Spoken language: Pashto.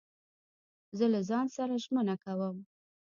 زه له ځان سره ژمنه کوم.